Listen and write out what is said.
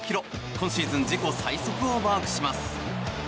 今シーズン自己最速をマークします。